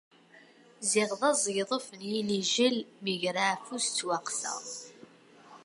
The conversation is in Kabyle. Ziɣ d aẓegḍuf d yinijjel mi greɣ afus ttwaqqseɣ.